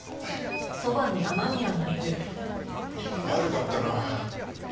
悪かったな。